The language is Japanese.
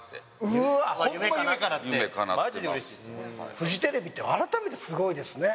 フジテレビって改めてすごいですね。